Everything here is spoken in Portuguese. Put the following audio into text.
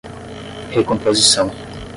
recomposição